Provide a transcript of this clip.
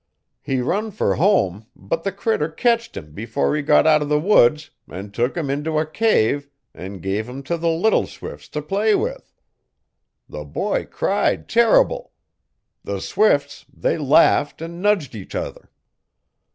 He run fer home but the critter ketched 'im before he got out o' the woods an' took 'im into a cave, an' give 'im t' the little swifts t' play with. The boy cried terrible. The swifts they laughed an' nudged each other.